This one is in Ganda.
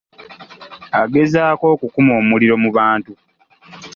Agezaako okukuma muliro mu bantu.